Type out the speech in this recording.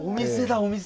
お店！